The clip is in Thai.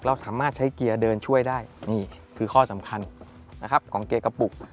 เราสามารถใช้เกียร์เดินช่วยได้นี่คือข้อสำคัญนะครับของเกียร์กระปุก